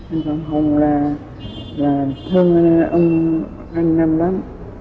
anh phạm hùng là thương anh em lắm